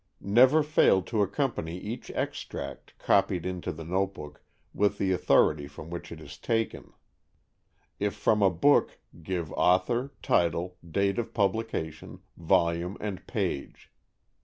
Never fail to accompany each extract copied into the notebook with the authority from which it is taken. If from a book, give author, title, date of publication, volume and page.